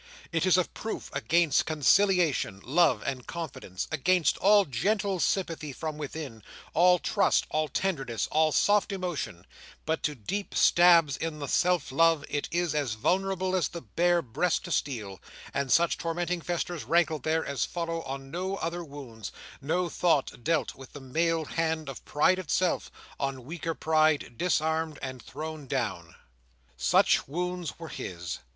It is of proof against conciliation, love, and confidence; against all gentle sympathy from without, all trust, all tenderness, all soft emotion; but to deep stabs in the self love, it is as vulnerable as the bare breast to steel; and such tormenting festers rankle there, as follow on no other wounds, no, though dealt with the mailed hand of Pride itself, on weaker pride, disarmed and thrown down. Such wounds were his.